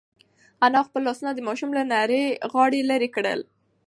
انا خپل لاسونه د ماشوم له نري غاړې لرې کړل.